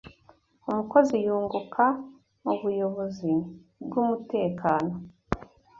Umukozi yunguka ubuyobozi bwumutekano